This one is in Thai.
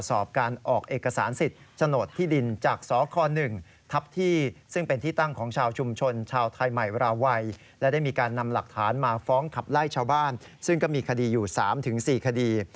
ซึ่งก็มีคดีอยู่๓๔คดี